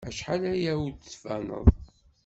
Acḥal aya ur d-tbaned.